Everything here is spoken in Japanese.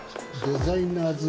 デザイナーズ